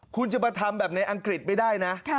คุณจะมาทำแบบในอังกฤษไม่ได้นะ